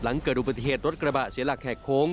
หลังเกิดอุบัติเหตุรถกระบะเสียหลักแหกโค้ง